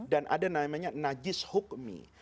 dan ada yang namanya najis hukmi